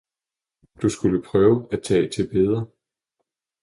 Du skulle prøve at tage til Beder